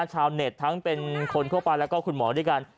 ชาวเน็ตทั้งเป็นคนทั่วไปแล้วก็คุณหมอด้วยกัน